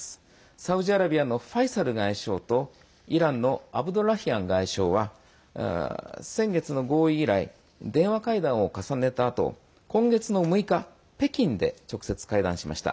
サウジアラビアのファイサル外相とイランのアブドラヒアン外相は先月の合意以来３回の電話会談を重ねたあと今月６日北京で直接会談しました。